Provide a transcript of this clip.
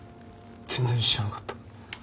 全然知らなかった。